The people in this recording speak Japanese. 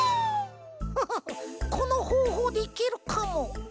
フフフこのほうほうでいけるかも。